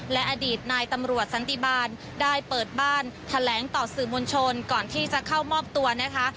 และอดีตนายตำรวจสันติบาลได้เปิดบ้านแถลงต่อสื่อมวลชนก่อนที่จะเข้ามอบตัวนะคะ